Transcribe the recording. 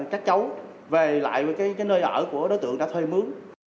các cháu về lại nơi ở của đối tượng đã thuê mướn